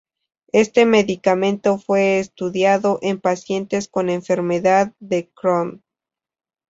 Este medicamento fue estudiado en pacientes con enfermedad de Crohn.